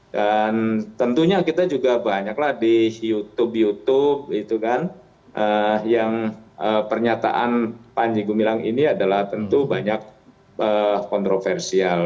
dan tentunya kita juga banyaklah di youtube youtube yang pernyataan pak panji gumilang ini adalah tentu banyak kontroversial